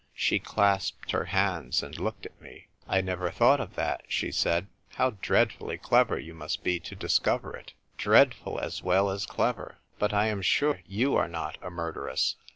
She clasped her hands and looked at me. " I never thought of that !" she said. " How dreadfully clever you must be to discover it. Dreadful as well as clever! But I am sure you are not a murderess."